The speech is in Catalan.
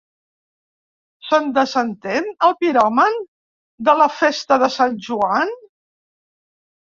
¿Se'n desentén, el piròman, de la festa de Sant Joan?